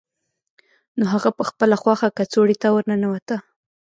نو هغه په خپله خوښه کڅوړې ته ورننوته